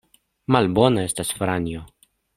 Malbona estas Franjo!